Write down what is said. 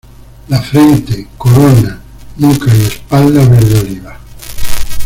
La frente, corona, nuca y espalda verde oliva.